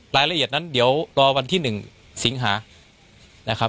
รายละเอียดนั้นเดี๋ยวรอวันที่๑สิงหานะครับ